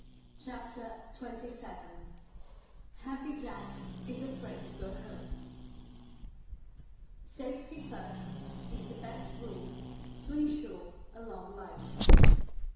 CHAPTER XXVII HAPPY JACK IS AFRAID TO GO HOME Safety first is the best rule to insure a long life.